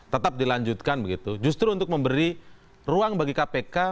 tetap dilanjutkan begitu justru untuk memberi ruang bagi kpk